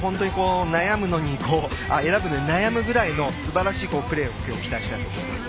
選ぶのに悩むくらいのすばらしいプレーを期待したいと思います。